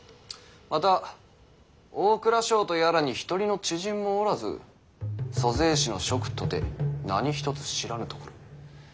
また大蔵省とやらに一人の知人もおらず租税司の職とて何一つ知らぬところ。